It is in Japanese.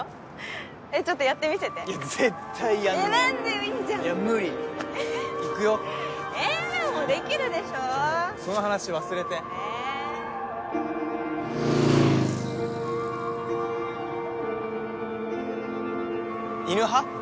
えっちょっとやってみせて絶対やんねぇなんでよいいじゃんいや無理行くよえできるでしょその話忘れてえ犬派？